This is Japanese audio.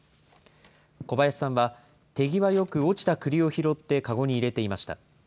小林さんは、手際よく落ちたくりを拾って籠に入れていました。